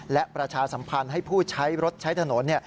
และประชาสัมพันธ์ให้ผู้ใช้รถใช้ถนน